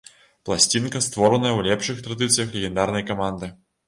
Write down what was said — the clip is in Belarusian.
Пласцінка, створаная ў лепшых традыцыях легендарнай каманды.